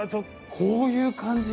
こういう感じ